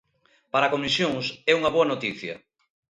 Para Comisións, é unha boa noticia.